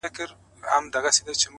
غم مې دا دی چې به بیا را زرغونېږم